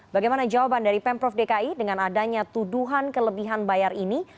bagaimana jawaban dari pemprov dki dengan adanya tuduhan kelebihan bayar ini